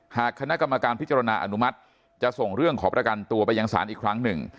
หากคณะกรรมการพิจารณาอนุมัติจะส่งเรื่องขอประกันตัวไปยังศาลอีกครั้งหนึ่ง